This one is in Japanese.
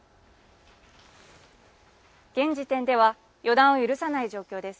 現時点では予断を許さない状況です。